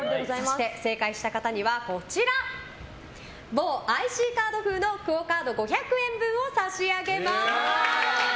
正解した人には某ＩＣカード風のＱＵＯカード５００円分を差し上げます。